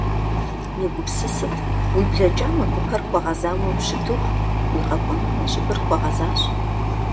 Егупсысыт: уи блэкӏам уи гупэр хуэгъэзауэ ущытыху, уи къэкӏуэнум уи щӏыбыр хуэгъэзащ.